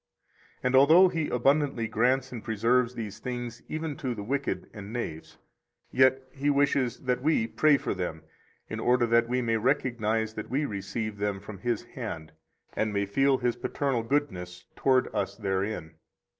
83 And although He abundantly grants and preserves these things even to the wicked and knaves, yet He wishes that we pray for them, in order that we may recognize that we receive them from His hand, and may feel His paternal goodness toward us therein.